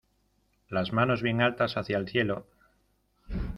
¡ Las manos bien altas, hacia el cielo!